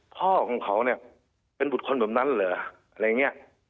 พ่อของเขาเนี่ยเป็นบุคคลแบบนั้นเหรออะไรอย่างนี้